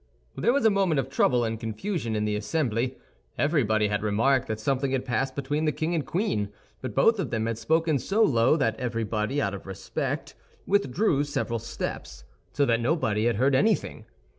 There was a moment of trouble and confusion in the assembly. Everybody had remarked that something had passed between the king and queen; but both of them had spoken so low that everybody, out of respect, withdrew several steps, so that nobody had heard anything.